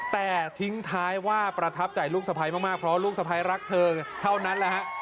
แต่ทิ้งท้ายว่าประทับใจลูกสะพ้ายมากเพราะลูกสะพ้ายรักเธอเท่านั้นแหละฮะ